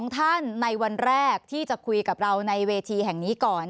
๒ท่านในวันแรกที่จะคุยกับเราในเวทีแห่งนี้ก่อน